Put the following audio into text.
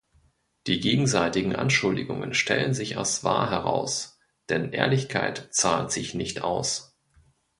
Die gegenseitigen Anschuldigungen stellen sich als wahr heraus, denn "Ehrlichkeit zahlt sich nicht aus".